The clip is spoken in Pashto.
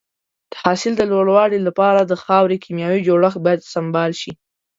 د حاصل د لوړوالي لپاره د خاورې کيمیاوي جوړښت باید سمبال شي.